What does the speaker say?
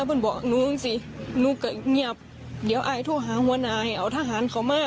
เพื่อนบอกหนูสิหนูก็เงียบเดี๋ยวอายโทรหาหัวหน้าให้เอาทหารเขามา